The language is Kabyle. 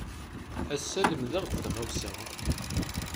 Ass-a, lemdeɣ-d taɣawsa.